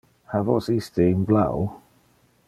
Ha vos iste in blau?